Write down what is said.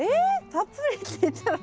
たっぷりって言ったのに。